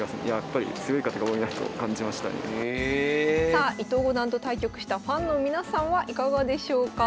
さあ伊藤五段と対局したファンの皆さんはいかがでしょうか？